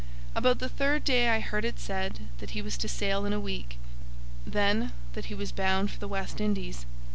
About the third day I heard it said that he was to sail in a week; then—that he was bound for the West Indies.